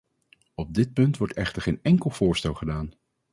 Op dit punt wordt echter geen enkel voorstel gedaan.